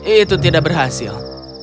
itu tidak berhasil